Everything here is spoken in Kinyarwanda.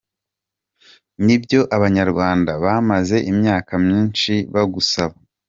Nibyo abanyarwanda bamaze imyaka myinshi bagusaba.